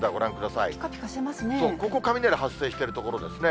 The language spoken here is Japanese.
そう、ここ、雷発生している所ですね。